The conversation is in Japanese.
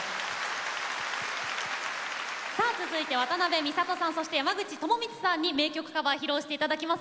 さあ続いて渡辺美里さんそして山口智充さんに名曲カバー披露して頂きます。